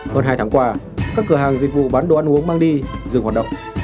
hơn hai tháng qua các cửa hàng dịch vụ bán đồ ăn uống mang đi dừng hoạt động